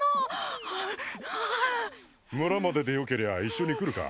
はあはあ村まででよけりゃ一緒に来るか？